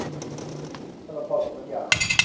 ขนมพอสมน้ำยา